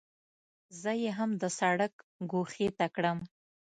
زه یې هم د سړک ګوښې ته کړم.